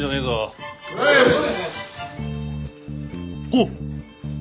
おっ！